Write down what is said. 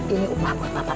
ini upah buat bapak